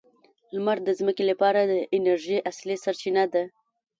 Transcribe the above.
لمر د ځمکې لپاره د انرژۍ اصلي سرچینه ده.